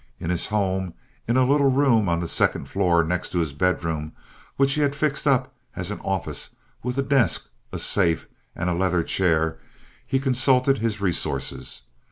In his home, in a little room on the second floor next his bedroom, which he had fixed up as an office with a desk, a safe, and a leather chair, he consulted his resources.